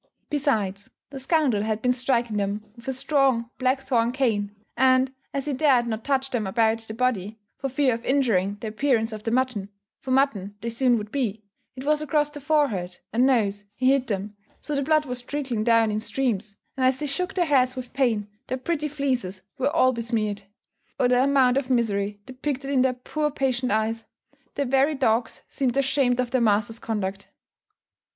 Besides, the scoundrel had been striking them with a strong black thorn cane; and, as he dared not touch them about the body, for fear of injuring the appearance of the mutton, for mutton they soon would be, it was across the forehead and nose he hit them, so the blood was trickling down in streams, and as they shook their heads with pain, their pretty fleeces were all besmeared. Oh, the amount of misery depicted in their poor patient eyes! The very dogs seemed ashamed of their master's conduct.